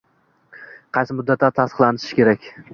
Qaysi muddatda tasdiqlatish kerak?